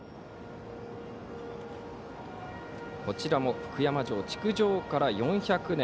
こちらも福山城築城から４００年。